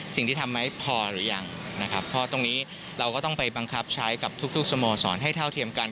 สิ่งที่ทำไหมพอหรือยังนะครับเพราะตรงนี้เราก็ต้องไปบังคับใช้กับทุกสโมสรให้เท่าเทียมกัน